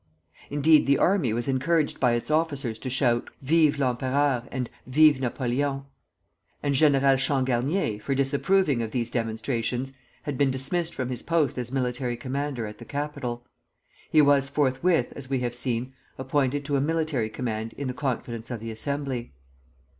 Indeed, the army was encouraged by its officers to shout, "Vive l'empereur!" and "Vive Napoleon!" And General Changarnier, for disapproving of these demonstrations, had been dismissed from his post as military commander at the capital. He was forthwith, as we have seen, appointed to a military command in the confidence of the Assembly.